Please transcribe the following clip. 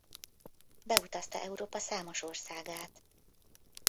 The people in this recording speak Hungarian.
Beutazta Európa számos országát.